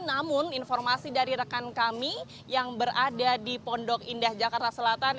namun informasi dari rekan kami yang berada di pondok indah jakarta selatan